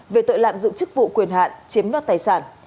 về tội lạm dụng chức vụ quyền hạn chiếm đoạt tài sản